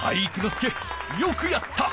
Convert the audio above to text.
介よくやった！